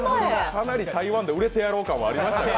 かなり台湾で売れてやろう感はありましたよ。